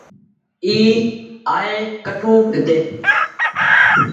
اي آئي ڪٺون هيتي ۔